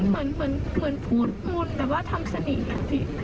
เหมือนพูดมนต์แต่ว่าทำสนิทอย่างที่